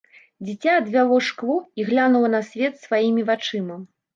Дзіця адвяло шкло і глянула на свет сваімі вачыма.